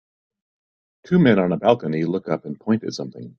Two men on a balcony look up and point at something.